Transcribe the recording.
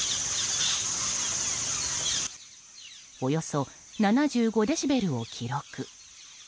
およそ７５デシベルを記録。